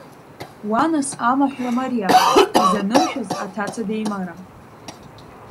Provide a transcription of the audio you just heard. Уа нас амаҳәра мариам, изанымшәаз аҭаца деимарам.